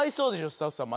スタッフさん